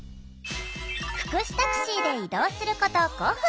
福祉タクシーで移動すること５分。